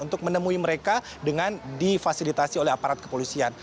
untuk menemui mereka dengan difasilitasi oleh aparat kepolisian